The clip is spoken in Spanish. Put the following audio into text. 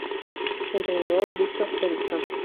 Entrenador: Viktor Eriksson